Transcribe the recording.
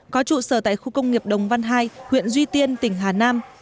có trụ sở tại khu công nghiệp đồng văn hai huyện duy tiên tỉnh hà nam